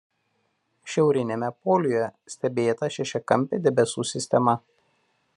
Šiauriniame poliuje stebėta šešiakampė debesų sistema.